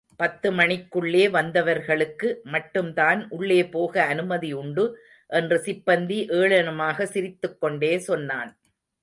பத்து மணிக்குள்ளே வந்தவர்களுக்கு மட்டும்தான் உள்ளே போக அனுமதி உண்டு. என்று சிப்பந்தி ஏளனமாக சிரித்துக் கொண்டே சொன்னான்.